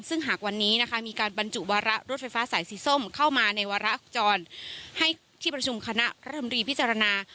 ซึ่งหากวันนี้นะคะมีการบรรจุวาระรถไฟฟ้าสายสีส้มเข้ามาในวาระจรให้ที่ประชุมคณะรัฐมนตรีพิจารณา